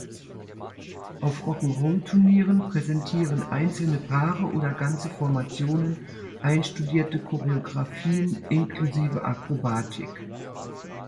Auf Rock-’n’-Roll-Turnieren präsentieren einzelne Paare oder ganze Formationen einstudierte Choreografien inklusive Akrobatik.